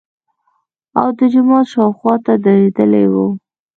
او د جومات شاوخواته درېدلي وو.